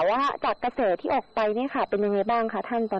ว่าจากกระเสรที่ออกไปท่านเป็นเรื่องไงฟังค่ะ